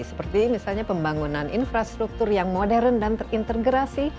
seperti misalnya pembangunan infrastruktur yang modern dan terintegrasi